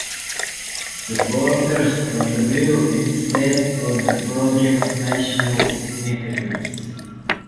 Supporters of the bill insisted on the project's national significance.